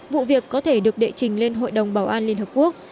vụ việc có thể được đệ trình lên hội đồng bảo an liên hợp quốc